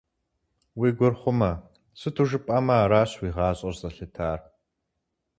Уи гур хъумэ, сыту жыпӀэмэ аращ уи гъащӀэр зэлъытар.